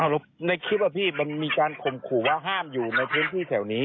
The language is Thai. แล้วในคลิปอะพี่มันมีการข่มขู่ว่าห้ามอยู่ในพื้นที่แถวนี้